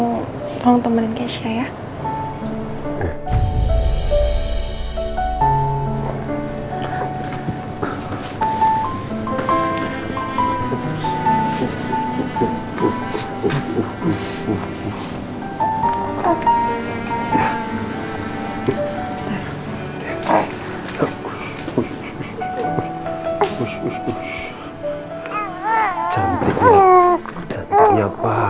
walaupun mama gak ada buat kamu